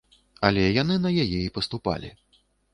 Але яны на яе і паступалі.